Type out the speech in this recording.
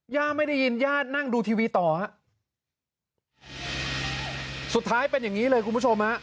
ย่าไม่ได้ยินย่านั่งดูทีวีต่อฮะสุดท้ายเป็นอย่างงี้เลยคุณผู้ชมฮะ